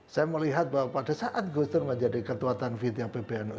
saya melihat bahwa pada saat gustur menjadi ketuatan vita pbnu